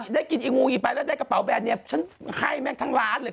ได้กินไปแล้วได้กระเป๋าแบนฉันให้แม่งหมือทั้งแล้ว